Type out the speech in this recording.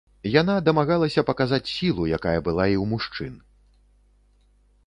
Яна дамагалася паказаць сілу, якая была і ў мужчын.